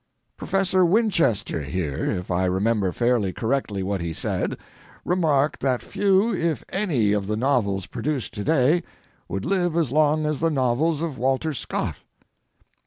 Professor Winchester here, if I remember fairly correctly what he said, remarked that few, if any, of the novels produced to day would live as long as the novels of Walter Scott.